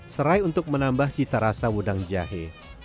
serai untuk menambah cita rasa wedang jahe